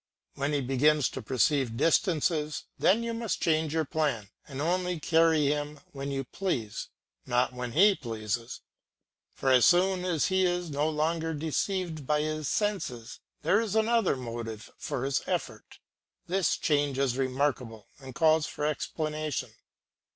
When he begins to perceive distances then you must change your plan, and only carry him when you please, not when he pleases; for as soon as he is no longer deceived by his senses, there is another motive for his effort. This change is remarkable and calls for explanation.